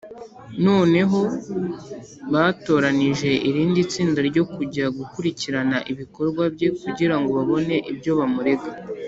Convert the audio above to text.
noneho batoranije irindi tsinda ryo kujya gukurikirana ibikorwa bye, kugira ngo babone ibyo bamurega